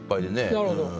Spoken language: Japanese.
なるほど。